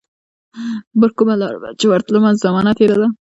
پرکومه لار به چي ورتلمه، زمانه تیره ده